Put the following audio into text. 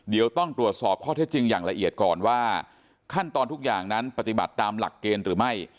เดี๋ยวต้องตรวจสอบข้อเท็จจริงอย่างละเอียดก่อนว่าขั้นตอนทุกอย่างนั้นปฏิบัติตามหลักเกณฑ์หรือไม่